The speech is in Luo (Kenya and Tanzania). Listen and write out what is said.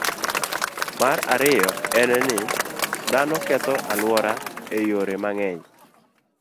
Mar ariyo en ni, dhano ketho alwora e yore mang'eny.